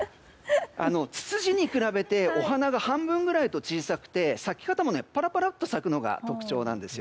ツツジに比べてお花が半分くらいと小さくて、咲き方もパラパラ咲くのが特徴なんです。